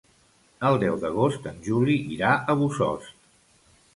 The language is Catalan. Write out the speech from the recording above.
El deu d'agost en Juli irà a Bossòst.